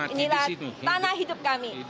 inilah tanah hidup kami